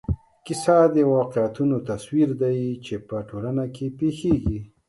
کیسه د واقعیتونو تصویر دی چې په ټولنه کې پېښېږي.